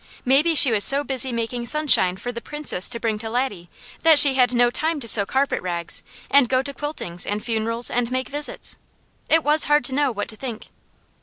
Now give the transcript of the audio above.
Maybe she was so busy making sunshine for the Princess to bring to Laddie that she had no time to sew carpet rags, and to go to quiltings, and funerals, and make visits. It was hard to know what to think.